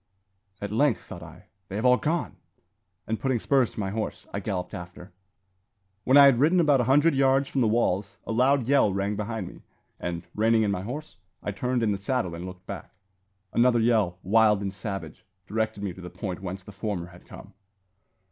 "At length," thought I, "they have all gone!" and putting spurs to my horse, I galloped after. When I had ridden about a hundred yards from the walls, a loud yell rang behind me; and, reining in my horse, I turned in the saddle and looked back. Another yell, wild and savage, directed me to the point whence the former had come.